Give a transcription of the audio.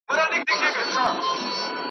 هغه مین دی پر لمبو شمع په خوب کي ویني .